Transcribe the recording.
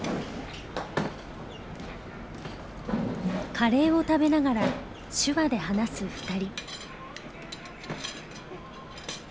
カレーを食べながら手話で話す２人。